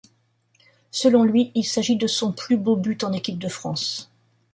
Selon lui, il s'agit de son plus beau but en équipe de France.